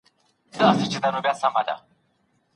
زه ولي د نورو پر توبرو بد ګومان وکړم .